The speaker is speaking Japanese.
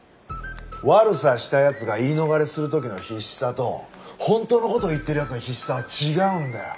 悪さした奴が言い逃れする時の必死さと本当の事を言ってる奴の必死さは違うんだよ。